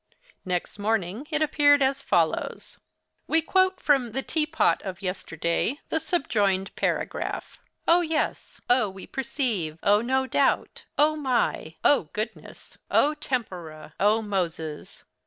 Next morning it appeared as follows: 'We quote from "The Tea Pot" of yesterday the subjoined paragraph: "Oh, yes! Oh, we perceive! Oh, no doubt! Oh, my! Oh, goodness! Oh, tempora! Oh, Moses!"